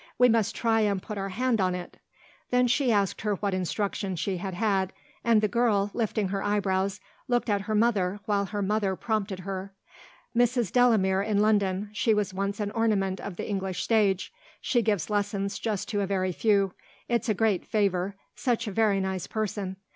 We must try and put our hand on it." Then she asked her what instruction she had had, and the girl, lifting her eyebrows, looked at her mother while her mother prompted her. "Mrs. Delamere in London; she was once an ornament of the English stage. She gives lessons just to a very few; it's a great favour. Such a very nice person!